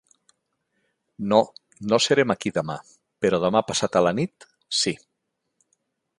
No, no serem aquí dema; però demà passat a la nit, sí.